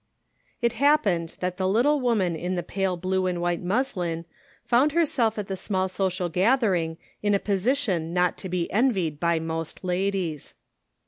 happened that the little woman in the pale blue and white muslin found herself at the small social gathering in a position not to be envied by most ladies.